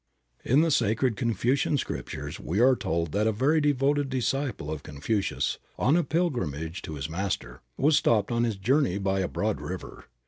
In the sacred Confucian scriptures we are told that a very devoted disciple of Confucius, on a pilgrimage to his master, was stopped on his journey by a broad river.